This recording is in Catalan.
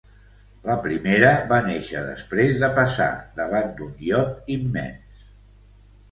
La primera va néixer després de passar davant d’un iot immens.